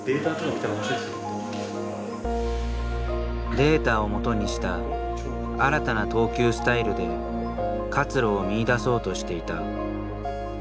データを基にした新たな投球スタイルで活路を見いだそうとしていた。